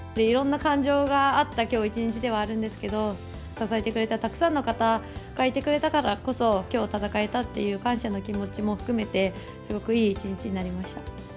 いろんな感情があった今日一日ではあるんですけど支えてくれたたくさんの方がいてくれたからこそ、今日を戦えたという感謝の気持ちも含めてすごく、いい一日になりました。